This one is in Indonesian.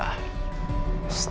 beetje maken pemberianmu